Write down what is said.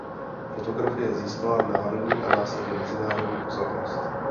Fotografie získala národní a následně mezinárodní pozornost.